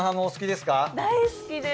大好きです。